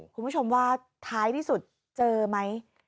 คุณผู้ชมว่าท้ายที่สุดเจอไหม